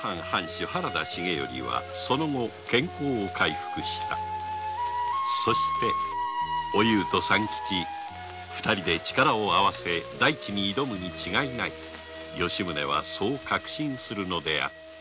藩藩主・原田重頼はその後健康を回復したそしておゆうと三吉は力を併せ大地に挑むに違いない吉宗はそう確信するのであった